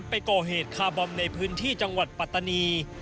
ไปก่อเหตุคาร์บอมในพื้นที่จังหวัดปัตตานี